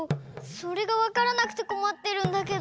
それがわからなくてこまってるんだけど。